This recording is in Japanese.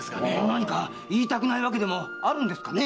何か言いたくない訳でもあるんですかね？